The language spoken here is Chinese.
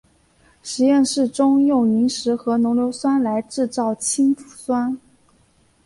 实验室中用萤石和浓硫酸来制造氢氟酸。